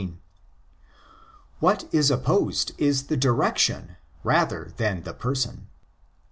What is opposed is the direction rather than the person.